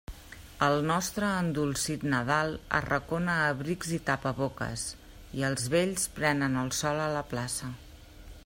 El nostre endolcit Nadal arracona abrics i tapaboques, i els vells prenen el sol a la plaça.